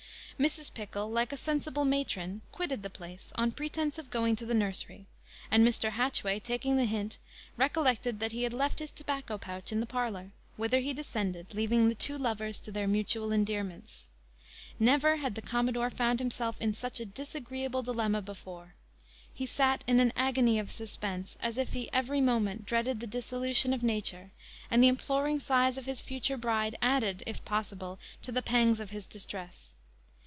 Mrs. Pickle, like a sensible matron, quitted the place, on pretence of going to the nursery; and Mr. Hatchway, taking the hint, recollected that he had left his tobacco pouch in the parlour, whither he descended, leaving the two lovers to their mutual endearments. Never had the commodore found himself in such a disagreeable dilemma before. He sat in an agony of suspense, as if he every moment dreaded the dissolution of nature; and the imploring sighs of his future bride added, if possible, to the pangs of his distress.